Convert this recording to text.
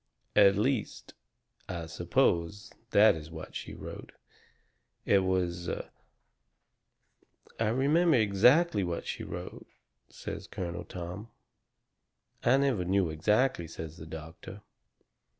At least, I suppose that is what she wrote. It was " "I remember exactly what she wrote," says Colonel Tom. "I never knew exactly," says the doctor.